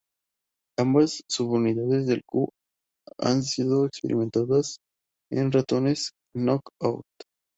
Ambas subunidades del Ku han sido experimentadas en ratones knock out.